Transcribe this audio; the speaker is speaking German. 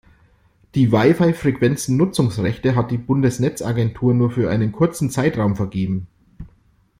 Die WiFi-Frequenzen-Nutzungsrechte hat die Bundesnetzagentur nur für einen kurzen Zeitraum vergeben.